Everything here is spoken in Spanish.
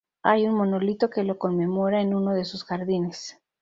Hay un monolito que lo conmemora en uno de sus jardines.